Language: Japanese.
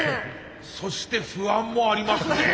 そして不安もありますね。